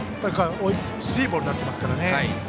スリーボールになってますから。